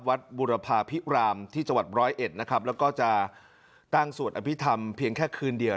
บุรพาพิรามที่จังหวัดร้อยเอ็ดนะครับแล้วก็จะตั้งสวดอภิษฐรรมเพียงแค่คืนเดียว